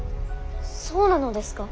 そうなのですか。